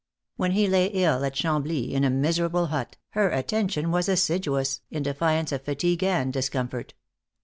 When he lay ill at Chambly, in a miserable hut, her attention was assiduous, in defiance of fatigue and discomfort.